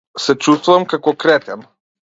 Се чувствувам како кретен.